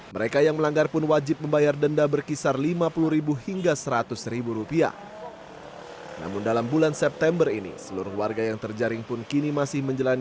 mereka juga harus menerima sanksi yang tidak bermakna